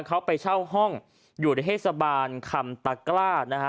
เขาไปเช่าห้องหยุดให้สบานคำตากล้านะฮะ